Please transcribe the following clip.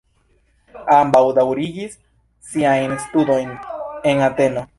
Ambaŭ daŭrigis siajn studojn en Ateno.